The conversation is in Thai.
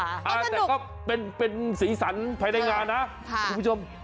แต่ก็เป็นสีสันภายในงานนะคุณผู้ชม